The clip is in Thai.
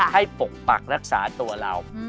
ปกปักรักษาตัวเรา